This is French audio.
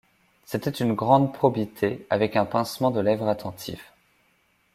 C’était une grande probité, avec un pincement de lèvres attentif.